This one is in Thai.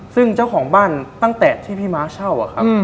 ซึ่งเจ้าของบ้านตั้งแต่ที่พี่ม้าเช่าอะครับ